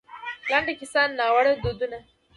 لـنـډه کيـسـه :نـاوړه دودونـه